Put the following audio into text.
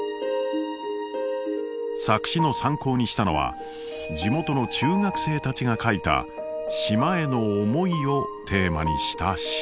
作詞の参考にしたのは地元の中学生たちが書いた「島への思い」をテーマにした詩。